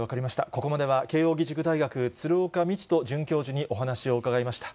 ここまでは慶應義塾大学、鶴岡路人准教授にお話を伺いました。